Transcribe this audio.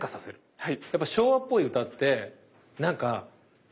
はい。